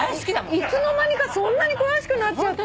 いつの間にかそんなに詳しくなっちゃって。